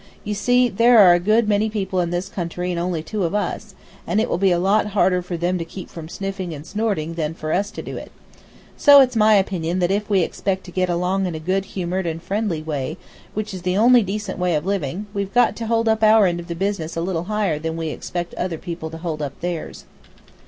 You see, there are a good many people in this country and only two of us, and it will be a lot harder for them to keep from sniffing and snorting than for us to do it. So it's my opinion that if we expect to get along in a good humored and friendly way, which is the only decent way of living, we've got to hold up our end of the business a little higher than we expect other people to hold up theirs."